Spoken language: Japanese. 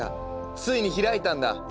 ついに開いたんだ。